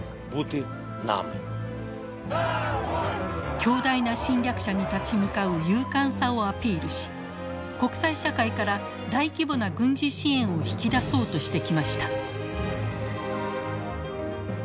強大な侵略者に立ち向かう勇敢さをアピールし国際社会から大規模な軍事支援を引き出そうとしてきました。